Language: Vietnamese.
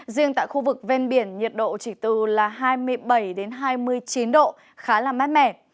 riêng tại khu vực ven biển nhiệt độ chỉ từ là hai mươi bảy đến hai mươi chín độ khá là mát mẻ